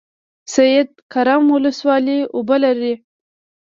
سید کرم ولسوالۍ اوبه لري؟